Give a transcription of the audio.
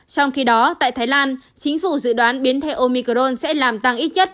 trong khi đó tại thái lan chính phủ dự đoán biến thể omicron sẽ làm tăng ít nhất